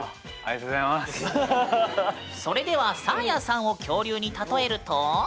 それではサーヤさんを恐竜に例えると？